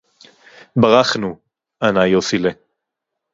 "בָּרַחְנוּ," עָָנָה יוֹסִי’לִי